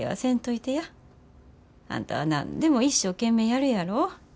あんたは何でも一生懸命やるやろ。